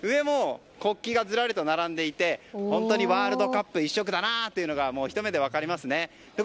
国旗がずらりと並んでいて本当にワールドカップ一色だなとひと目で分かります。